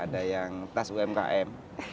ada yang tas umkm